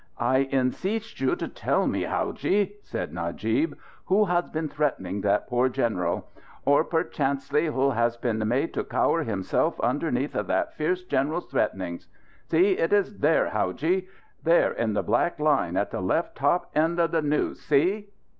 "I enseeched you to tell me, howadji," said Najib, "who has been threatening that poor general. Or, perchancely, who has been made to cower himself undertheneath of that fierce general's threatenings. See, it is there, howadji. There, in the black line at the left top end of the news. See?"